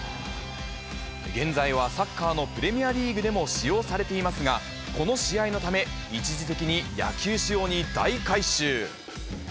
現在はサッカーのプレミアリーグでも使用されていますが、この試合のため、一時的に野球仕様に大改修。